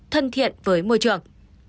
thân thiện với môi trường